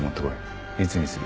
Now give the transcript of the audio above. いつにする？